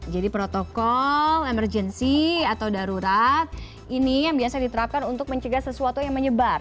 jadi protokol emergency atau darurat ini yang biasa diterapkan untuk mencegah sesuatu yang menyebar